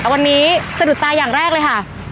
วันนี้สะดุดตาอย่างแรกเลยค่ะ